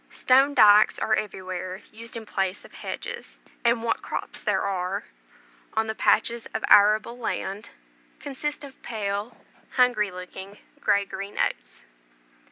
Stone dykes are everywhere used in place of hedges; and what crops there are, on the patches of arable land, consist of pale, hungry looking, grey green oats.